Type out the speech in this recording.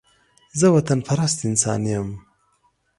زه وطن پرست انسان يم